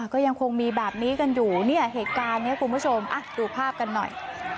ก็ยังคงมีแบบนี้กันอยู่เนี่ยเหตุการณ์นี้คุณผู้ชมดูภาพกันหน่อย